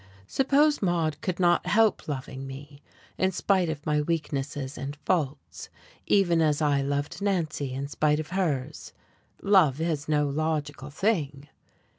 Suppose Maude could not help loving me, in spite of my weaknesses and faults, even as I loved Nancy in spite of hers? Love is no logical thing.